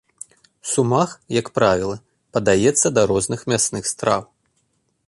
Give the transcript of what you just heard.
Сумах, як правіла, падаецца да розных мясных страў.